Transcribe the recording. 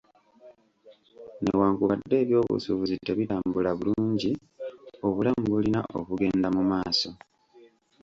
Newankubadde ebyobusuubuzi tebitambula bulungi, obulamu bulina okugenda mu maaso.